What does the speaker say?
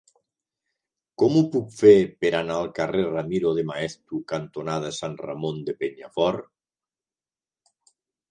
Com ho puc fer per anar al carrer Ramiro de Maeztu cantonada Sant Ramon de Penyafort?